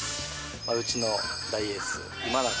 うちの大エース、今永。